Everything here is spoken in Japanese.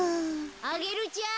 ・アゲルちゃん！